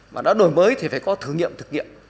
mà đã đổi mới thì phải có thử nghiệm thực nghiệm